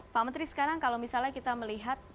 pak menteri sekarang kalau misalnya kita melihat